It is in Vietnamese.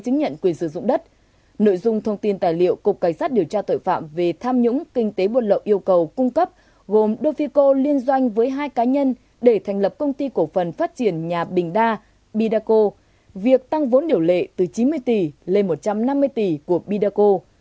chính quyền nội dung thông tin tài liệu cục cảnh sát điều tra tội phạm về tham nhũng kinh tế buôn lậu yêu cầu cung cấp gồm dofico liên doanh với hai cá nhân để thành lập công ty cổ phần phát triển nhà bình đa bidaco việc tăng vốn điều lệ từ chín mươi tỷ lên một trăm năm mươi tỷ của bidaco